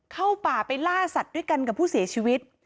เข้าป่าไปล่าสัตว์ด้วยกันกับผู้เสียชีวิต